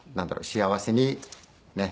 幸せにね。